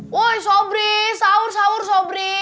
wah sobri sahur sahur sobri